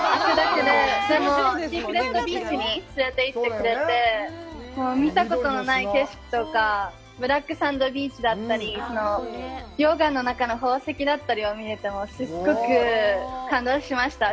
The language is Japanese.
でも、シークレットビーチに連れていってくれて、見たことのない景色とか、ブラックサンドビーチだったり、溶岩の中の宝石だったりを見れて、すっごく感動しました。